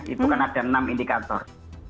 itu kan ada enam indikator